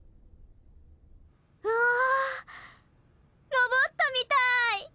うわぁロボットみたい！